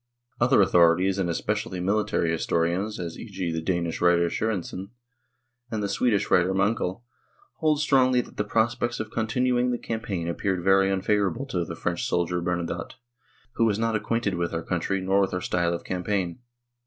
Other authorities and especially military historians, as e.g. the Danish writer Sorensen l and the Swedish writer Mankell, 2 hold strongly that the prospects of con tinuing the campaign appeared very unfavourable to the French soldier Bernadotte, who was not ac quainted with our country nor with our style of campaign.